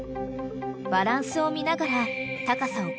［バランスを見ながら高さを］